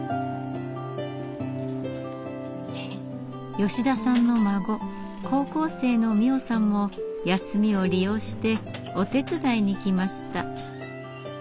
吉田さんの孫高校生の実桜さんも休みを利用してお手伝いに来ました。